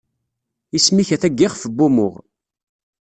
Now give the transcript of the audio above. Isem-ik ata deg ixef n wumuɣ.